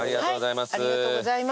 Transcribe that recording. ありがとうございます。